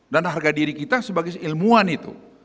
dan harga diri kita sebagai ilmuwan itu